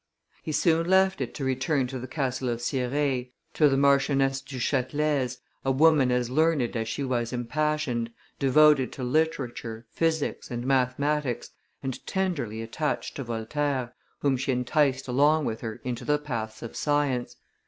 He soon left it to return to the castle of Cirey, to the Marchioness du Chatelet's, a woman as learned as she was impassioned, devoted to literature, physics, and mathematics, and tenderly attached to Voltaire, whom she enticed along with her into the paths of science.